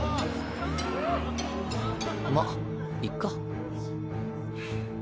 まいっか。